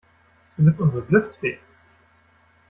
Du bist unsere Glücksfee.